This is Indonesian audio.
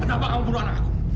kenapa kamu bunuh anak aku